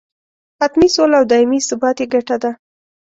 حتمي سوله او دایمي ثبات یې ګټه ده.